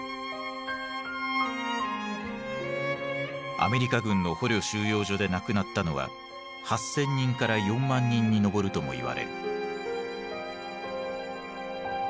アメリカ軍の捕虜収容所で亡くなったのは８，０００人から４万人に上るともいわれる。